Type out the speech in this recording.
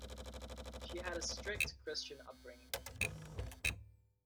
She had a strict Christian upbringing.